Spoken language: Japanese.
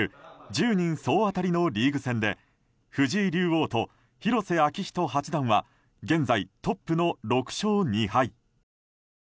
１０人総当たりのリーグ戦で藤井竜王と広瀬章人八段は現在トップの６勝２敗。